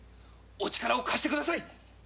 お力を貸して下さい。